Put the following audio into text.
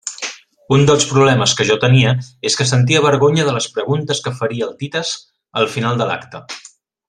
Un dels problemes que jo tenia és que sentia vergonya de les preguntes que faria el Tites al final de l'acte.